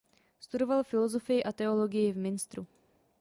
Studoval filozofii a teologii v Münsteru.